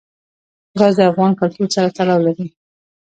ګاز د افغان کلتور سره تړاو لري.